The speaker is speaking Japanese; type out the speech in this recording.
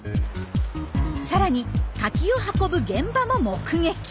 さらにカキを運ぶ現場も目撃。